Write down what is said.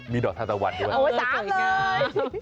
มีดอกทาตะวันด้วยนะครับเอาไว้สามเลยเอาไว้สามเลย